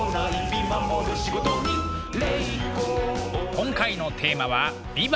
今回のテーマは「ビバ！